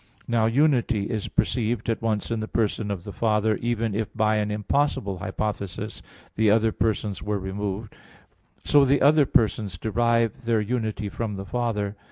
Now "unity" is perceived at once in the person of the Father, even if by an impossible hypothesis, the other persons were removed. So the other persons derive their unity from the Father.